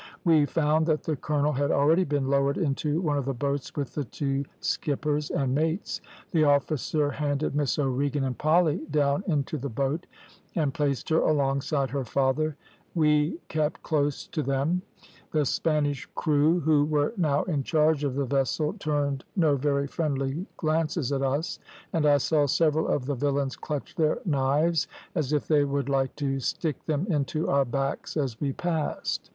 We found that the colonel had already been lowered into one of the boats with the two skippers and mates; the officer handed Miss O'Regan and Polly down into the boat, and placed her alongside her father, we kept close to them; the Spanish crew, who were now in charge of the vessel, turned no very friendly glances at us, and I saw several of the villains clutch their knives as if they would like to stick them into our backs as we passed.